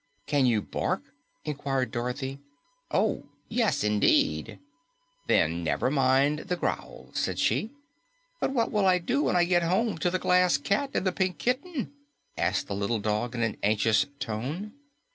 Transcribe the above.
"Can you bark?" inquired Dorothy. "Oh, yes indeed." "Then never mind the growl," said she. "But what will I do when I get home to the Glass Cat and the Pink Kitten?" asked the little dog in an anxious tone.